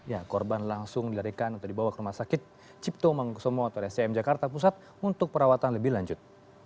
ya korban langsung dilarikan atau dibawa ke rumah sakit cipto mangkusomo atau scm jakarta pusat untuk perawatan lebih lanjut